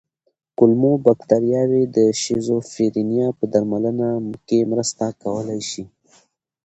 کولمو بکتریاوې د شیزوفرینیا په درملنه کې مرسته کولی شي.